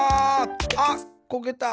あっこけた。